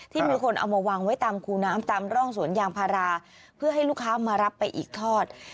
มีคนเอามาวางไว้ตามคูน้ำตามร่องสวนยางพาราเพื่อให้ลูกค้ามารับไปอีกทอด